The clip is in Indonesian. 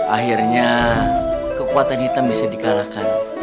akhirnya kekuatan hitam bisa dikalahkan